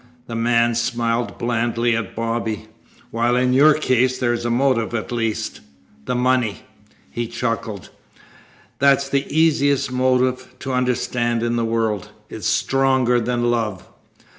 The man smiled blandly at Bobby. "While in your case there's a motive at least the money." He chuckled. "That's the easiest motive to understand in the world. It's stronger than love."